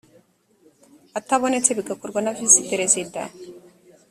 atabonetse bigakorwa na visi perezida